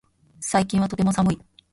最近はとても寒い